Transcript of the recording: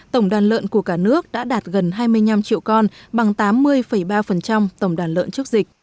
tổng đàn lợn của cả nước đã đạt gần hai mươi năm triệu con bằng tám mươi ba tổng đàn lợn trước dịch